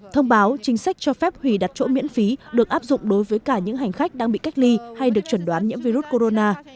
thông báo chính sách cho phép hủy đặt chỗ miễn phí được áp dụng đối với cả những hành khách đang bị cách ly hay được chuẩn đoán nhiễm virus corona